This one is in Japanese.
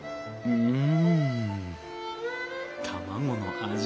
うん！